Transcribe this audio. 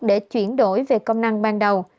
để chuyển đổi về công năng ban đầu